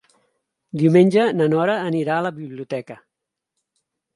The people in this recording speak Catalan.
Diumenge na Nora anirà a la biblioteca.